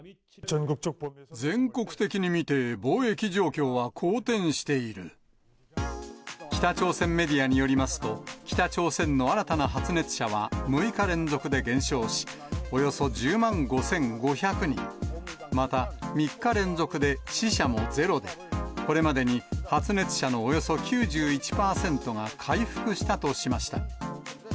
全国的に見て、防疫状況は好北朝鮮メディアによりますと、北朝鮮の新たな発熱者は６日連続で減少し、およそ１０万５５００人、また、３日連続で死者もゼロで、これまでに発熱者のおよそ９１％が回復したとしました。